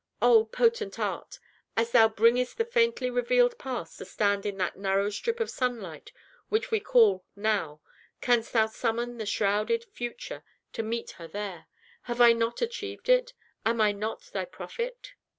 Oh, potent Art! as thou bringest the faintly revealed Past to stand in that narrow strip of sunlight which we call Now, canst thou summon the shrouded Future to meet her there? Have I not achieved it! Am I not thy Prophet?"